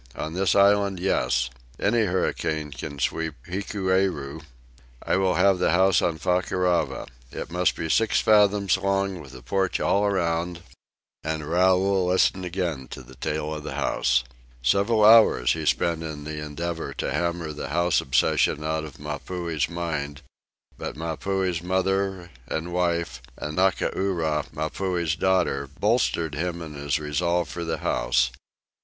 On this island, yes. Any hurricane can sweep Hikueru. I will have the house on Fakarava. It must be six fathoms long with a porch all around " And Raoul listened again to the tale of the house. Several hours he spent in the endeavor to hammer the house obsession out of Mapuhi's mind; but Mapuhi's mother and wife, and Ngakura, Mapuhi's daughter, bolstered him in his resolve for the house.